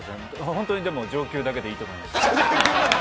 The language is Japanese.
ホントにでも上級だけでいいと思います。